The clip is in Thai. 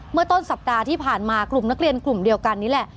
เมื่อต้นสัปดาห์ที่ผ่านมากลุ่มนักเรียนกลุ่มเดียวกันนี่แหละ